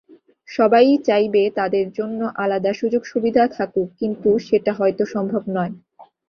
সবাই-ই চাইবে তাদের জন্য আলাদা সুযোগ-সুবিধা থাকুক, কিন্তু সেটা হয়তো সম্ভব নয়।